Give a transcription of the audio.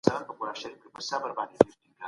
په کتابتون کې پلټنه پیل کړه.